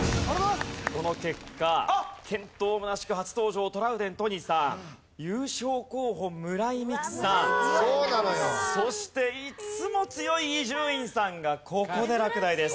この結果健闘むなしく初登場トラウデン都仁さん優勝候補村井美樹さんそしていつも強い伊集院さんがここで落第です。